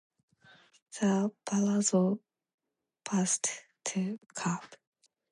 The palazzo passed to cav.